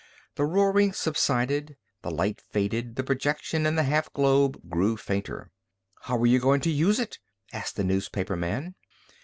The roaring subsided, the light faded, the projection in the half globe grew fainter. "How are you going to use it?" asked the newspaperman.